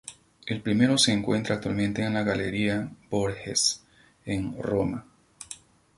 El primero se encuentra actualmente en la Galería Borghese, en Roma.